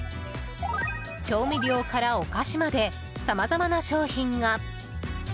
調味料からお菓子までさまざまな商品が。